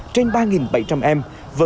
trên ba bảy trăm linh em